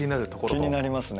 気になりますね。